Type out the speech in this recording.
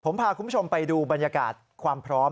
ผมพาคุณผู้ชมไปดูบรรยากาศความพร้อม